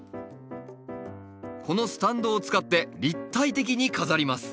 このスタンドを使って立体的に飾ります。